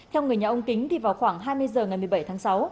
theo người nhà ông kính thì vào khoảng hai mươi h ngày một mươi bảy tháng sáu